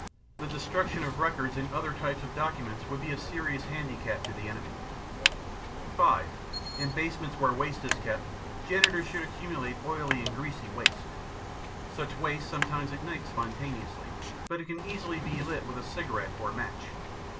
The destruction of records and other types of documents would be a serious handicap to the enemy. (5) In basements where waste is kept, janitors should accumulate oily and greasy waste. Such waste sometimes ignites spontaneously, but it can easily be lit with a cigarette or match.